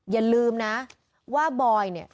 อย่าลืมนะว่าบอยเนี่ย